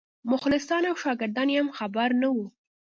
مخلصان او شاګردان یې هم خبر نه وو.